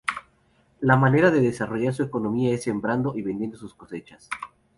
La manera de desarrollar su economía es sembrando y vendiendo sus cosechas.